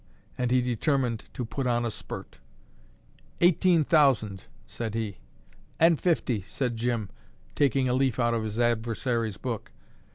And he determined to put on a spurt. "Eighteen thousand," said he. "And fifty," said Jim, taking a leaf out of his adversary's book.